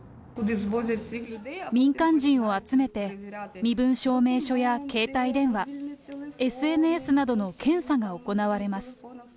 民間人を集めて、身分証明書や携帯電話、ＳＮＳなどの検査が行われます。